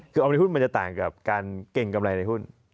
คือออมในหุ้นมันจะต่างกับการเกรงกำไรในหุ้น